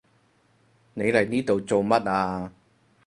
你嚟呢度做乜啊？